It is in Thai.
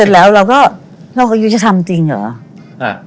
แล้วก็ยู่จะทำจริงหรอก